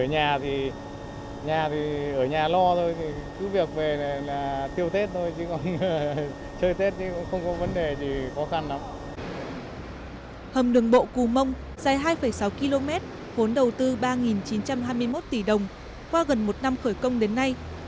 hầm đường bộ cù mông dài hai sáu km vốn đầu tư ba chín trăm hai mươi một tỷ đồng qua gần một năm khởi công đến nay